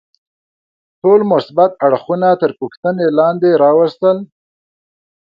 ټول مثبت اړخونه تر پوښتنې لاندې راوستل.